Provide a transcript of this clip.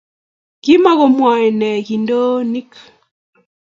Kimokumowoi nee kindonik